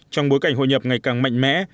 trong bối cảnh hội nhập ngày càng mạnh mẽ